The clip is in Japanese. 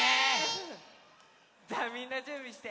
じゃあみんなじゅんびして！